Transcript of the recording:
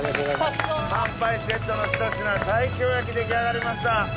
乾杯セットのひと品西京焼き出来上がりました。